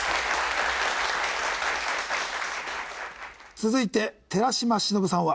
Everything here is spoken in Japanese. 続いて寺島しのぶさんは？